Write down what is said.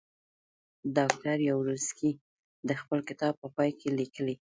ډاکټر یاورسکي د خپل کتاب په پای کې لیکي.